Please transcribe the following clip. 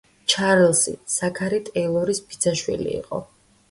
ჩარლზი, ზაქარი ტეილორის ბიძაშვილი იყო.